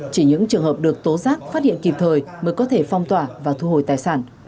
chỉ những trường hợp được tố giác phát hiện kịp thời mới có thể phong tỏa và thu hồi tài sản